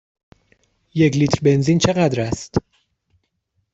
یک لیتر بنزین چقدر است؟